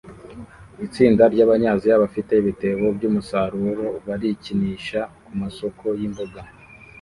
Itsinda ryabanyaziya bafite ibitebo byumusaruro barikinisha kumasoko yimboga